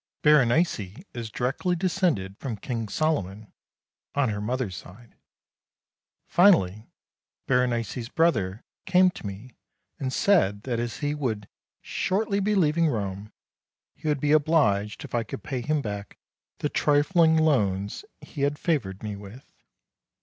(Berenice is directly descended from King Solomon on her mother's side.) Finally, Berenice's brother came to me and said that as he would shortly be leaving Rome he would be obliged if I could pay him back the trifling loans he had favoured me with.